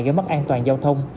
gây mất an toàn giao thông